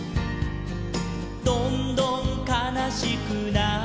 「どんどんかなしくなって」